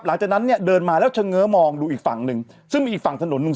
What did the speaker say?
หลังจากนั้นเนี่ยเดินมาแล้วเฉง้อมองดูอีกฝั่งหนึ่งซึ่งมีอีกฝั่งถนนหนึ่ง